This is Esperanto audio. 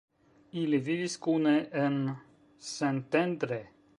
Ili vivis kune en Szentendre.